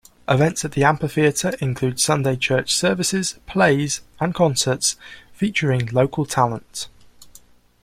Events at the amphitheater include Sunday church services, plays and concerts featuring local talent.